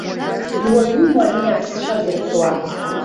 Дуаҩума ани, аԥсцәа зырҳәуа!